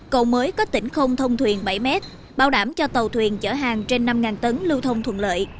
cầu mới có tỉnh không thông thuyền bảy m bảo đảm cho tàu thuyền chở hàng trên năm tấn lưu thông thuận lợi